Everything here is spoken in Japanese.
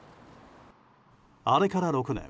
あれから６年。